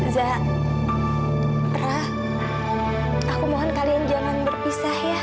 zarah aku mohon kalian jangan berpisah ya